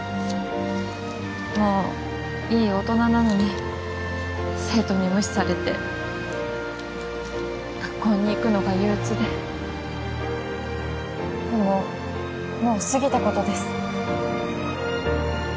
もういい大人なのに生徒に無視されて学校に行くのが憂鬱ででももう過ぎたことです